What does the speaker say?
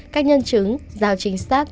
các nhân chứng rào trinh sát